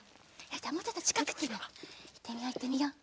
じゃあもうちょっとちかくにいってみよういってみよう。